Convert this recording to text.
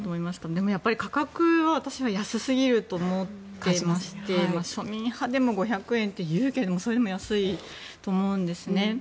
でも、価格は私は安すぎると思っていまして庶民派でも５００円というけどもそれでも安いと思うんですね。